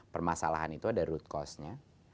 permasalahan itu ada root cost nya